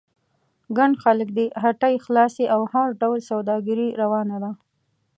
ګڼ خلک دي، هټۍ خلاصې او هر ډول سوداګري روانه ده.